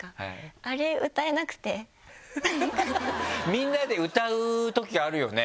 みんなで歌うときあるよね？